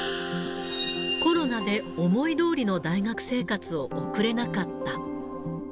コロナで思いどおりの大学生活を送れなかった。